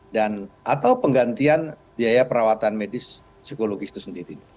dan atau penggantian biaya perawatan medis psikologis itu sendiri